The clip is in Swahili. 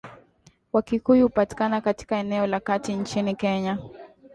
Wakikuyu hupatikana katika eneo la Kati nchini Kenya.